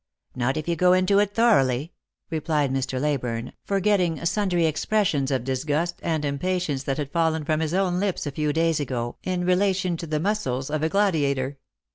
" Not if you go into it thoroughly," replied Mr. Leyburne, forgetting sundry expressions of disgust and impatience that had fallen from his own lips a few days ago in relation to the muscles of a gladiator.